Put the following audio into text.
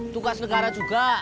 tugas negara juga